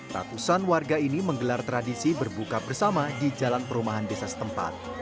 ratusan warga ini menggelar tradisi berbuka bersama di jalan perumahan desa setempat